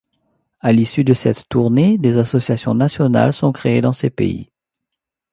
À l'issue de cette tournée, des associations nationales sont créées dans ces pays.